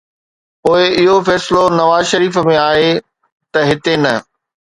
پوءِ اهو فيصلو نواز شريف ۾ آهي ته هتي نه.